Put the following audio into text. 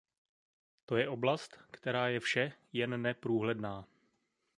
To je oblast, která je vše, jen ne průhledná.